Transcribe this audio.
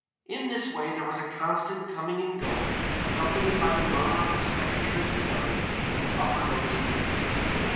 In this way there was a constant coming and going accompanied by the murmur of the spectators beyond and the upper notes of the flute.